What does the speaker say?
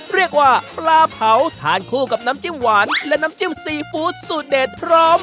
เรียกว่าปลาเผาทานคู่กับน้ำจิ้มหวานและน้ำจิ้มซีฟู้ดสูตรเด็ดพร้อม